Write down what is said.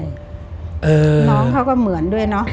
น้องเขาก็เหมือนด้วยเนอะ